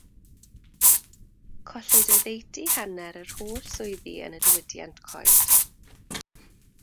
Collwyd oddeutu hanner yr holl swyddi yn y diwydiant coed.